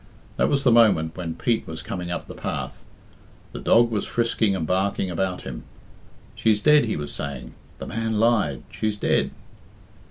That was the moment when Pete was coming up the path. The dog was frisking and barking about him. "She's dead," he was saying. "The man lied. She's dead."